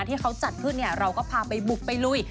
ที่เขาจัดพืชเนี่ยเราก็พาไปบุกไปลุย